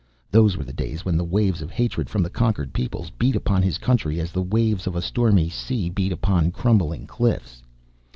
Those were the days when the waves of hatred from the conquered peoples beat upon his country as the waves of a stormy sea beat upon crumbling cliffs.